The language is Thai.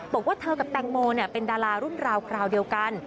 บอกว่าเธอกับแตงโมเป็นดารารุ่นราวคราวเดียวกัน